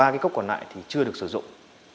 ba cái cốc còn lại thì chưa được sử dụng